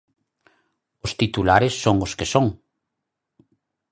Os titulares son os que son.